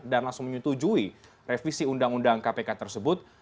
dan langsung menyetujui revisi ruu kpk tersebut